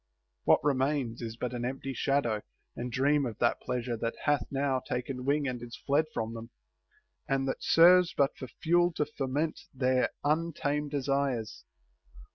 What remains is but an empty shadow and dream of that pleasure that hath now taken wing and is fled from them, and that serves but for fuel to foment their untamed desires.